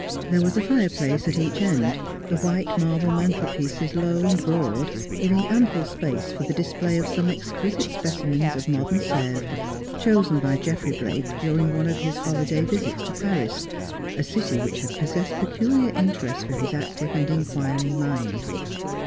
There was a fireplace at each end, the white marble mantel pieces low and broad, giving ample space for the display of some exquisite specimens of modem Sevres, chosen by Geoffrey Blake during one of his holiday visits to Paris, a city which had possessed peculiar interest for his active and inquiring mind.